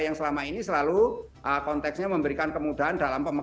yang selama ini selalu konteksnya memberikan kemudahan dalam pembangunan